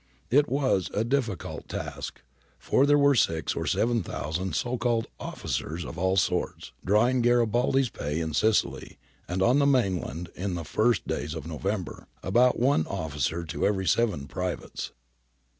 It was a difficult task, for there were six or seven thousand so called * officers ' of all sorts, drawing Gari baldi's pay in Sicily and on the mainland in the first days of November, about one * officer ' to every seven privates.